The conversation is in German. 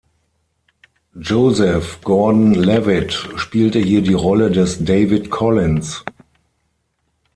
Joseph Gordon-Levitt spielte hier die Rolle des David Collins.